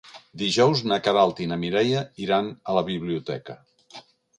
Dijous na Queralt i na Mireia iran a la biblioteca.